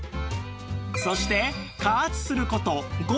そして加圧する事５分